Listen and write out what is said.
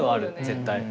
絶対。